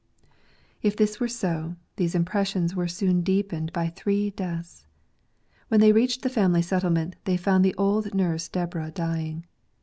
If this were so, these impressions were soon deepened by three deaths. When they reached the family settlement, they found the old nurse Deborah dying.